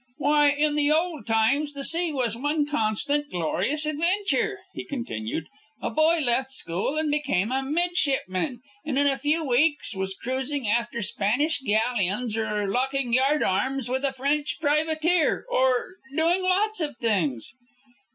"Why, in the old times the sea was one constant glorious adventure," he continued. "A boy left school and became a midshipman, and in a few weeks was cruising after Spanish galleons or locking yard arms with a French privateer, or doing lots of things."